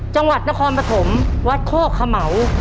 จังหวัดนครปฐมวัดโคกเขม่า